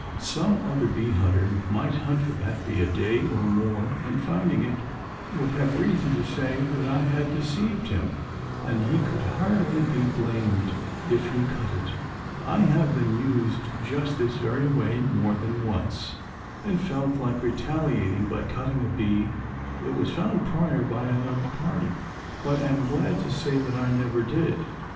Some other bee hunter might hunt for that bee a day or more and finding it would have reason to say that I had deceived him and he could hardly be blamed if he cut it. I have been used just this very way more than once, and felt like retaliating by cutting a bee that was found prior by another party. But am glad to say that I never did.